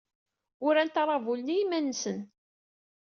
Urant aṛabul-nni i yiman-nsen.